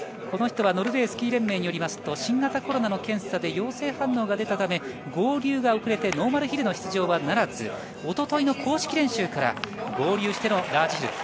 この人はノルウェースキー連盟によりますと新型コロナの検査で陽性反応が出たため、合流が遅れてノーマルヒルの出場はならず、おとといの公式練習から合流してのラージヒル。